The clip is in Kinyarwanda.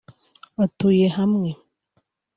batuye hamwe